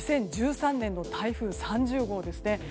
２０１３年の台風３０号ですね。